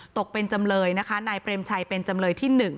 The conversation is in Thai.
ตกเป็นจำเลยนะคะนายเปรมชัยเป็นจำเลยที่๑